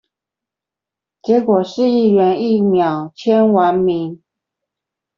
結果市議員一秒簽完名